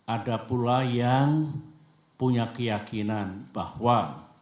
ada pula yang punya keyakinan bahwa